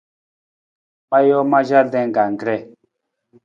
Ma joo ma jardin anggree.